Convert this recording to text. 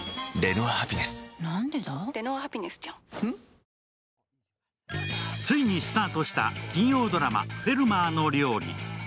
三菱電機ついにスタートした金曜ドラマ「フェルマーの料理」。